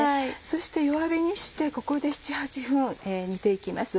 そして弱火にしてここで７８分煮て行きます。